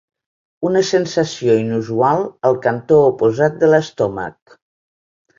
Una sensació inusual al cantó oposat de l'estómac.